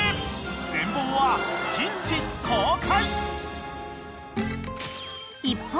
全貌は近日公開］